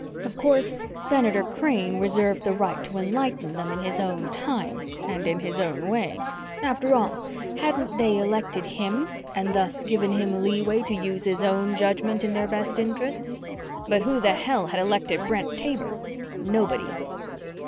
Of course, Senator Crane reserved the right to enlighten them in his own time and in his own way. After all, hadn't they elected him and thus given him leeway to use his own judgment in their best interests? But who the hell had elected Brent Taber? Nobody.